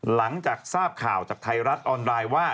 หลังจากทราบข่าวจากไทยรัฐออนไลน์ว่า